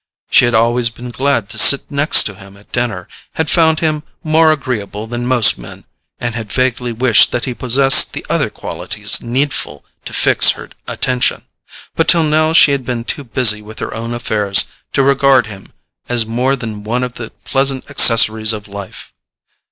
She had always been glad to sit next to him at dinner, had found him more agreeable than most men, and had vaguely wished that he possessed the other qualities needful to fix her attention; but till now she had been too busy with her own affairs to regard him as more than one of the pleasant accessories of life.